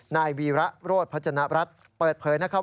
นายวีระโรธพัฒนรัฐเปิดเผยนะครับ